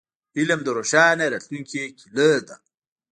علم د روښانه راتلونکي کیلي ده.